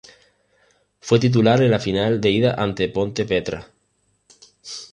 Fue titular en la final de ida ante Ponte Preta.